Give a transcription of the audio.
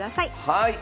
はい。